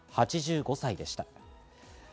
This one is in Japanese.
８５歳でした。